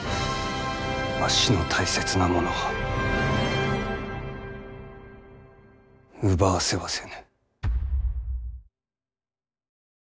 わしの大切なものを奪わせはせぬ。